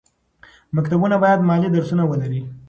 مکتبونه باید مالي درسونه ولري.